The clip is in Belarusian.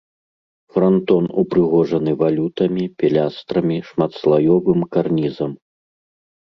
Франтон упрыгожаны валютамі, пілястрамі, шматслаёвым карнізам.